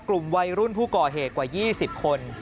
กลุ่มวัยรุ่นผู้ก่อเหตุกว่า๒๐คน